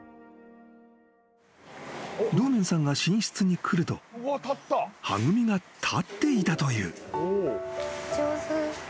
［堂面さんが寝室に来るとはぐみが立っていたという］